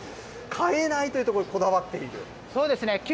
変えないというところにこだわっそうですね。